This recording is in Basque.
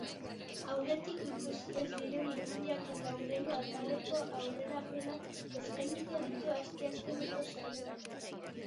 Aurretik ikusi ez diren irudiak eta hurrengo ataleko aurrerapena eskainiko ditu asteazkeneko saioak.